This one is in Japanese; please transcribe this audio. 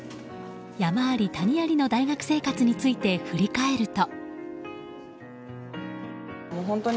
山あり谷ありの大学生活について振り返ると。